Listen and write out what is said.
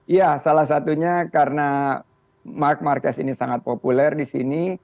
ya salah satunya karena mark marquez ini sangat populer di sini